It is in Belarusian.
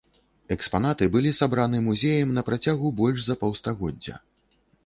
Экспанаты былі сабраны музеем на працягу больш за паўстагоддзя.